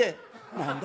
何だ？